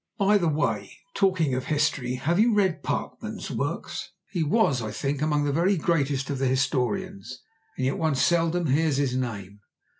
By the way, talking of history, have you read Parkman's works? He was, I think, among the very greatest of the historians, and yet one seldom hears his name.